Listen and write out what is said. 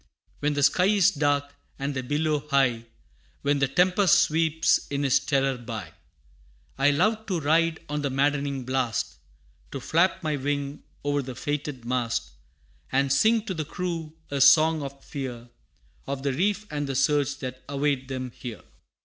When the sky is dark, and the billow high, When the tempest sweeps in its terror by, I love to ride on the maddening blast To flap my wing o'er the fated mast, And sing to the crew a song of fear, Of the reef and the surge that await them here.